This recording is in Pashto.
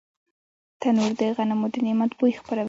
تنور د غنمو د نعمت بوی خپروي